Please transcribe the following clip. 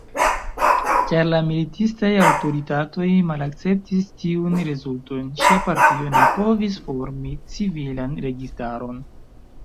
Ĉar la militistaj aŭtoritatoj malakceptis tiun rezulton, ŝia partio ne povis formi civilan registaron.